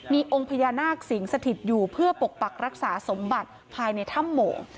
มีองค์พญานาคสิงสถิตอยู่เพื่อปกปักรักษาสมบัติภายในถ้ำโมง